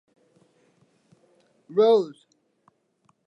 Rose.